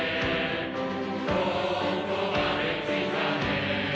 「ここまで来たね」